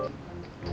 gitu ya scales